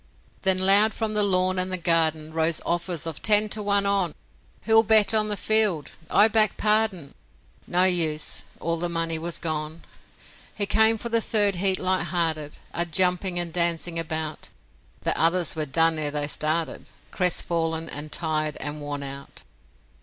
Then loud from the lawn and the garden Rose offers of 'Ten to one ON!' 'Who'll bet on the field? I back Pardon!' No use; all the money was gone. He came for the third heat light hearted, A jumping and dancing about; The others were done ere they started Crestfallen, and tired, and worn out.